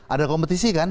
ada kompetisi kan